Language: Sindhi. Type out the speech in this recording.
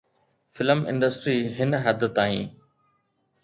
فلم انڊسٽري هن حد تائين